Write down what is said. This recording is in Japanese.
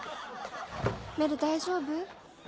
メル大丈夫？